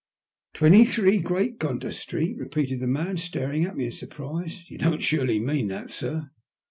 " Twenty three, Great Gunter Street?" repeated the man, staring at me in surprise. *'You don't surely mean that, sir?"